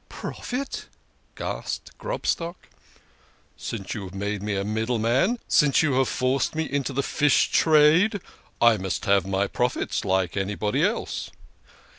" Profit !" gasped Grobstock. " Since you have made me a middle man, since you have forced me into the fish trade, I must have my profits like anybody else."